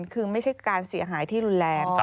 คือไม่ใช่การเสียหายที่รุนแรง